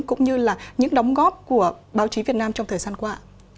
cũng như là những đóng góp của báo chí việt nam trong thời gian qua